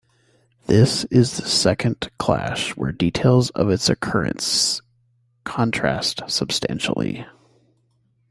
It is this second clash where details of its occurrence contrast substantially.